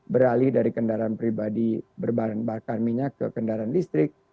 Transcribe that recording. beralih dari kendaraan pribadi berbakan minyak ke kendaraan listrik